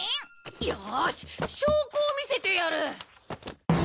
よーし証拠を見せてやる！